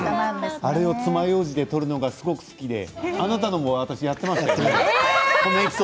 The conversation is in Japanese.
それを、つまようじで取るのがすごく好きであなたのも私やっていましたよね。